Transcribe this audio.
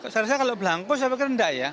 saya rasa kalau belangko saya pikir rendah ya